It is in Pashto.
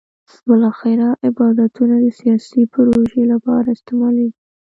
بالاخره عبادتونه د سیاسي پروژې لپاره استعمالېږي.